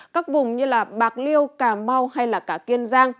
các vùng như bạc liêu cà mau hay là cả kiên giang